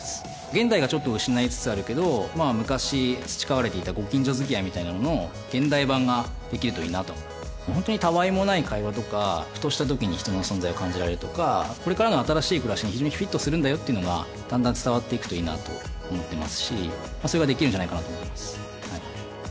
現代がちょっと失いつつあるけど昔培われていたご近所づきあいみたいなものを現代版ができるといいなと本当にたわいもない会話とかふとしたときに人の存在を感じられるとかこれからの新しい暮らしに日常にフィットするんだよっていうのがだんだん伝わっていくといいなと思ってますしそれができるんじゃないかなと思ってます